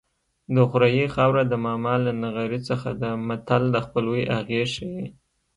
د خوریي خاوره د ماما له نغري څخه ده متل د خپلوۍ اغېز ښيي